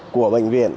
của bệnh viện